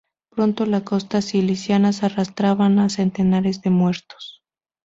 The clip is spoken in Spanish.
Pronto las costas sicilianas arrastraban a centenares de muertos.